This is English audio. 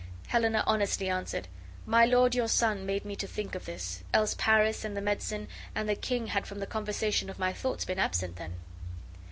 Helena honestly answered, "My lord your son made me to think of this; else Paris. and the medicine and the king had from the conversation of my thoughts been absent then."